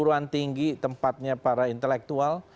perguruan tinggi tempatnya para intelektual